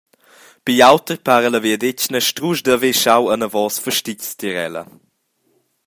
Pigl auter para la vegliadetgna strusch da haver schau anavos fastitgs tier ella.